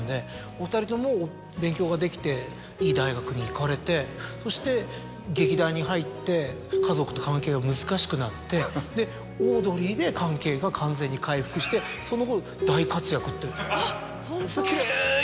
お２人とも勉強ができていい大学に行かれてそして劇団に入って家族と関係が難しくなって『オードリー』で関係が完全に回復してその後大活躍って。